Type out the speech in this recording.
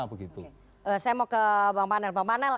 saya mau ke bang panel